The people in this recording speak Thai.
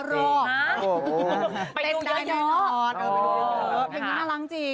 เพลงนี้น่ารักจริง